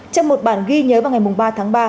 trong một bản ghi nhớ vào ngày ba tháng ba